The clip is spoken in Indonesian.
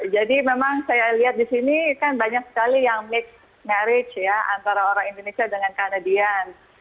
jadi memang saya lihat di sini kan banyak sekali yang berkah antara orang indonesia dengan kanadian